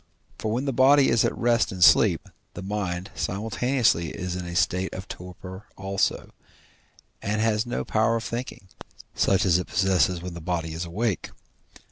For when the body is at rest in sleep, the mind simultaneously is in a state of torpor also, and has no power of thinking, such as it possesses when the body is awake.